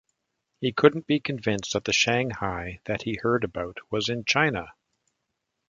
He couldn't be convinced that the Shanghai that he heard about was in China.